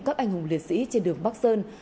các anh hùng liệt sĩ trên đường bắc sơn